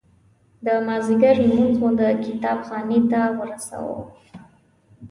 د مازدیګر لمونځ مو د کتاب خانې ته ورساوه.